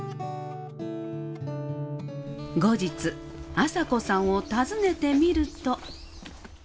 朝子さんを訪ねてみると。